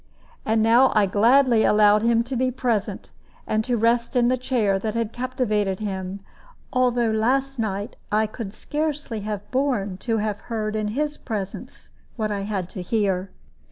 And now I gladly allowed him to be present, and to rest in the chair which had captivated him, although last night I could scarcely have borne to have heard in his presence what I had to hear.